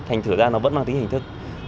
thành thử ra nó vẫn mang tính hình thức